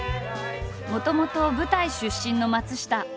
もともと舞台出身の松下。